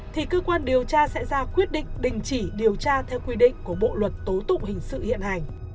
thì cơ quan điều tra sẽ ra quyết định đình chỉ điều tra theo quy định của bộ luật tố tụng hình sự hiện hành